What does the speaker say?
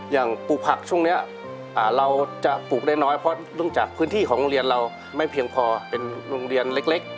ปลูกผักช่วงนี้เราจะปลูกได้น้อยเพราะเนื่องจากพื้นที่ของโรงเรียนเราไม่เพียงพอเป็นโรงเรียนเล็ก